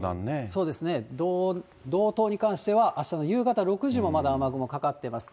そうですね、道東に関してはあしたの夕方６時もまだ雨雲かかってます。